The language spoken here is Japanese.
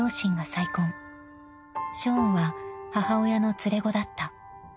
［ショーンは母親の連れ子だった］